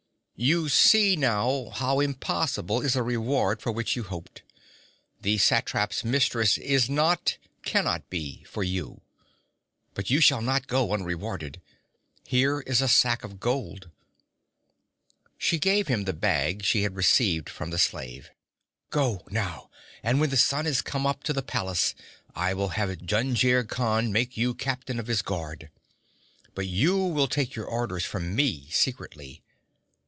'You see now how impossible is the reward for which you hoped. The satrap's mistress is not cannot be for you. But you shall not go unrewarded. Here is a sack of gold.' She gave him the bag she had received from the slave. 'Go, now, and when the sun is come up to the palace, I will have Jungir Khan make you captain of his guard. But you will take your orders from me, secretly.